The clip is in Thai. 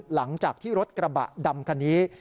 หลังจากที่รถกระบะดำคันนี้